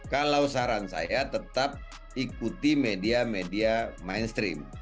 kalau saran saya tetap ikuti media media mainstream